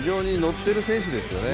ッている選手ですよね。